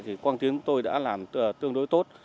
thì quang tiến tôi đã làm tương đối tốt